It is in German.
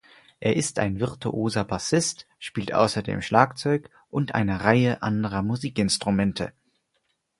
Er ist ein virtuoser Bassist, spielt außerdem Schlagzeug und eine Reihe anderer Musikinstrumente.